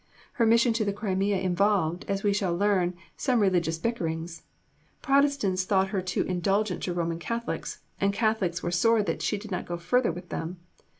Her mission to the Crimea involved, as we shall learn, some religious bickerings. Protestants thought her too indulgent to Roman Catholics, and Catholics were sore that she did not go further with them.